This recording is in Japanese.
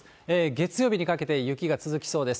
月曜日にかけて雪が続きそうです。